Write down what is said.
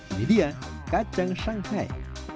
ini dia kacang shanghai